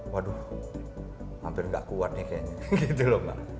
waduh hampir gak kuat nih kayaknya gitu lho mbak